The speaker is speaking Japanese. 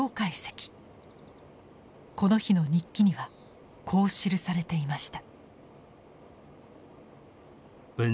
この日の日記にはこう記されていました。